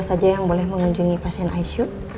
tidak ada orang yang bisa mengunjungi pasien icu